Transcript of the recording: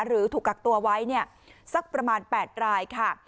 หรือถูกกักตัวไว้เนี่ยสักประมาณ๘รายค่ะ